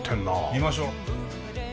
見ましょ。